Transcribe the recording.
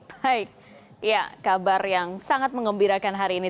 baik ya kabar yang sangat mengembirakan hari ini